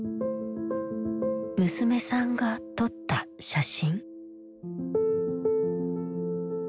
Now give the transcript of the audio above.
娘さんが撮った写真。